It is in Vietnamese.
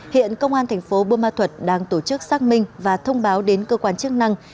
hiện công an tp bùa ma thuật đang tổ chức xác minh và thông báo đến cơ quan chức năng